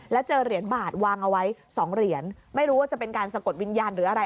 แล้วเจอเหรียญบาทวางเอาไว้๒เหรียญไม่รู้ว่าจะเป็นการสะกดวิญญาณหรืออะไร